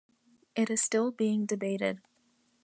It is still being debated.